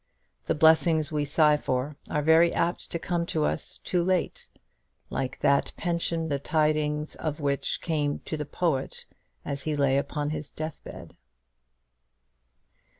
The blessings we sigh for are very apt to come to us too late; like that pension the tidings of which came to the poet as he lay upon his deathbed.